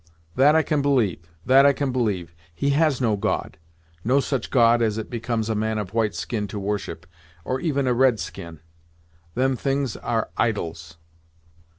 "That I can believe that I can believe. He has no God no such God as it becomes a man of white skin to worship, or even a red skin. Them things are idols!"